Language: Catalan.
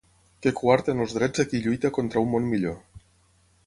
Que coarten els drets de qui lluita contra un món millor.